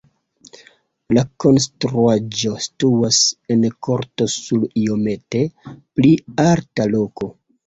La konstruaĵo situas en korto sur iomete pli alta loko.